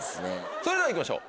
それでは行きましょう。